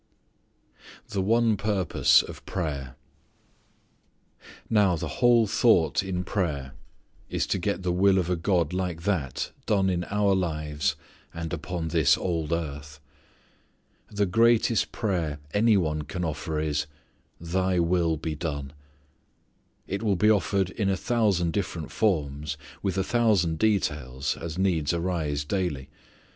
The One Purpose of Prayer. Now, the whole thought in prayer is to get the will of a God like that done in our lives and upon this old earth. The greatest prayer any one can offer is, "Thy will be done." It will be offered in a thousand different forms, with a thousand details, as needs arise daily.